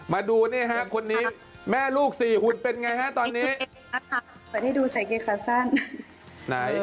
มาดูนี่ฮะคนนี้แม่ลูกสี่หุ่นเป็นไงฮะตอนนี้